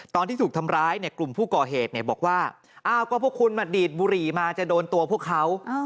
ตอนที่ถูกทำร้ายเนี่ยกลุ่มผู้ก่อเหตุบอกว่าอ้าวก็พวกคุณมาดีดบุหรี่มาจะโดนตัวพวกเขา